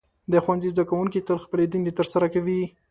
د ښوونځي زده کوونکي تل خپلې دندې ترسره کوي.